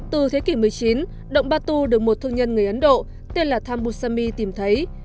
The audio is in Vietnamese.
từ thế kỷ một mươi chín động batu được một thương nhân người ấn độ tên là tim bushami tìm thấy